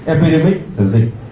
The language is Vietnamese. epidemic là dịch